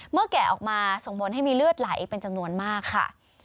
แกะออกมาส่งผลให้มีเลือดไหลเป็นจำนวนมากค่ะ